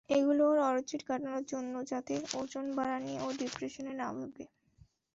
এগুলো ওর অরুচি কাটানোর জন্য যাতে ওজন বাড়া নিয়ে ও ডিপ্রেশনে না ভোগে।